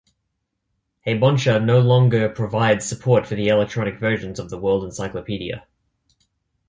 Heibonsha no longer provides support for electronic versions of the "World Encyclopedia".